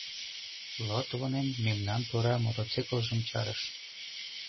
Лотвонен мемнан тура мотоциклжым чарыш.